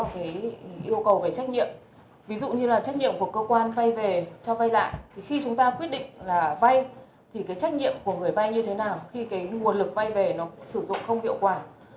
khi chúng ta quyết định là vay thì cái trách nhiệm của người vay như thế nào khi cái nguồn lực vay về nó sử dụng không hiệu quả